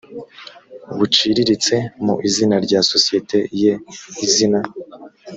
buciririritse mu izina rya sosiyete ye izina